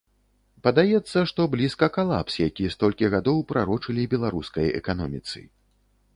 Падаецца, што блізка калапс, які столькі гадоў прарочылі беларускай эканоміцы.